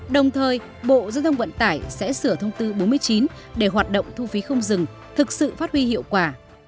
đồng thời bộ giao thông vận tải sẽ sửa thông tư bốn mươi chín để hoạt động thu phí không dừng thực sự phát huy hiệu quả